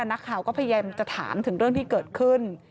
นักข่าวก็พยายามจะถามถึงเรื่องที่เกิดขึ้น